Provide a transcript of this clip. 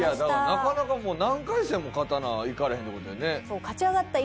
なかなか何回戦も勝たないかれへんってことやね。